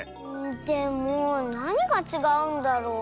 でもなにがちがうんだろう？